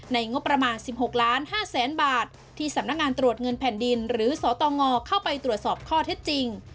งบประมาณ๑๖ล้าน๕แสนบาทที่สำนักงานตรวจเงินแผ่นดินหรือสตงเข้าไปตรวจสอบข้อเท็จจริง